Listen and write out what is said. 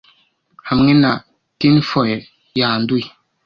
hamwe na tinfoil yanduye